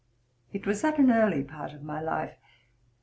It was at an early part of my life.